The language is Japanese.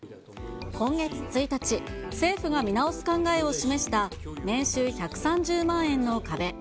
今月１日、政府が見直す考えを示した年収１３０万円の壁。